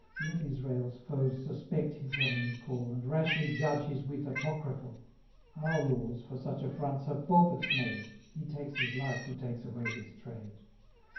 Let Israel's foes suspect his heavenly call, And rashly judge his wit apocryphal; Our laws for such affronts have forfeits made; He takes his life who takes away his trade.